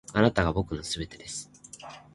あなたが僕の全てです．